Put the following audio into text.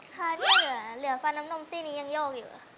ค่ะที่เหลือฟันน้ำนมซี่นี้ยังโยกอยู่